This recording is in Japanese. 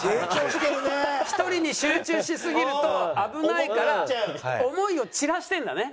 １人に集中しすぎると危ないから想いを散らしてるんだね。